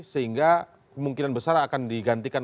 sehingga kemungkinan besar akan digantikan